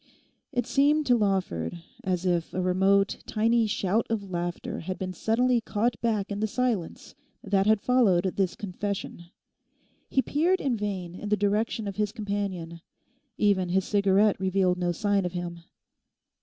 It seemed to Lawford as if a remote tiny shout of laughter had been suddenly caught back in the silence that had followed this confession. He peered in vain in the direction of his companion. Even his cigarette revealed no sign of him.